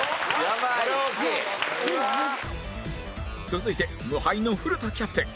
続いて無敗の古田キャプテン